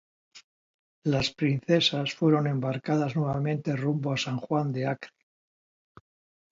Las princesas fueron embarcadas nuevamente rumbo a San Juan de Acre.